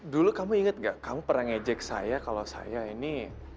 dulu kamu ingat gak kamu pernah ngejek saya kalau saya ini